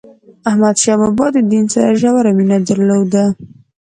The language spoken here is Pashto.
احمد شاه بابا د دین سره ژوره مینه درلوده.